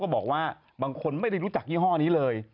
บอกว่าบางคนไม่ได้รู้จักยี่ห้อนี้เลย